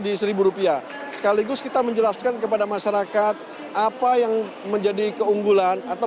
di seribu rupiah sekaligus kita menjelaskan kepada masyarakat apa yang menjadi keunggulan atau